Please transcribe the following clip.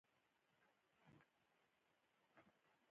پنځه ملیونه یې داسې خلک دي چې هغه بهرنیان دي،